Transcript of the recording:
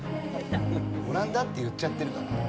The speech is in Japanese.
オランダって言っちゃってるからな。